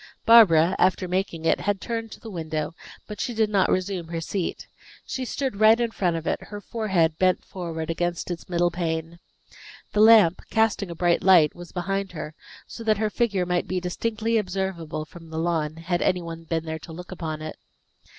Barbara, after making it, had turned again to the window, but she did not resume her seat. She stood right in front of it, her forehead bent forward against its middle pane. The lamp, casting a bright light, was behind her, so that her figure might be distinctly observable from the lawn, had any one been there to look upon it.